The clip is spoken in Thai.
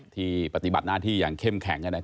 ปฏิบัติหน้าที่อย่างเข้มแข็ง